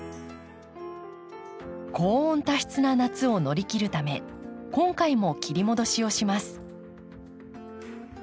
高温多湿な夏を乗り切るため今回も切り戻しをします。